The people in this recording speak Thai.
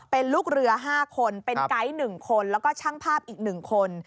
เป็นลูกเรือ๕คนเป็นไกด์๑คนแล้วก็ช่างภาพอีก๑คน